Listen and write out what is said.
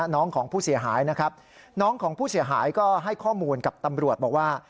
น้องของผู้เสียหายนะครับน้องของผู้เสียหายก็ให้ข้อมูลกับตำรวจบอกว่า